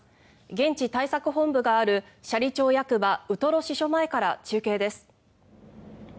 現地対策本部がある斜里町役場ウトロ支所前から中継です。